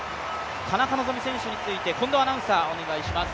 田中希実選手について近藤アナウンサーお願いします。